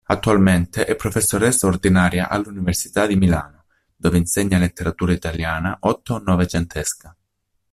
Attualmente è professoressa ordinaria all'Università di Milano, dove insegna letteratura italiana otto-novecentesca.